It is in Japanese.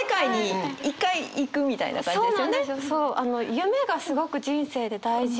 夢がすごく人生で大事で。